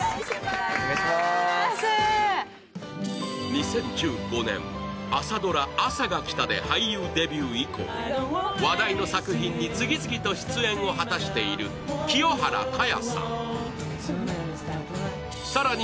２０１５年、朝ドラ「あさが来た」で俳優デビュー以降、話題の作品に次々と出演を果たしている清原果耶さん。